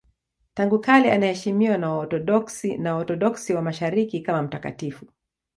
Tangu kale anaheshimiwa na Waorthodoksi na Waorthodoksi wa Mashariki kama mtakatifu.